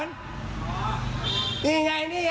ตอนนี้มันอาจออกมา